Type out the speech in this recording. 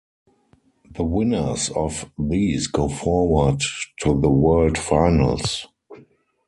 The winners of these go forward to the World Finals.